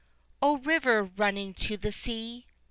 O river, running to the sea!